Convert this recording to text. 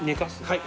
はい。